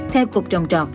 theo cục trồng trọt